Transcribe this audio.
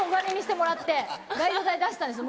ガイド代出したんですよ